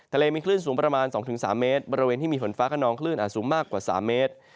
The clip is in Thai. ทะเลมีคลื่นสูงประมาณ๒๓เมตรบริเวณที่มีฝนฟ้าขนองคลื่นอาจสูงมากกว่า๓เมตร